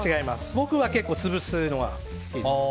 僕は結構、潰すのが好きです。